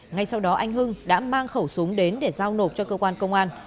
ngay sau đó anh hưng đã mang khẩu súng đến để giao nộp cho cơ quan công an